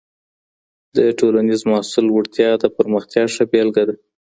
د ټولنيز محصول لوړتيا د پرمختيا ښه بېلګه ده.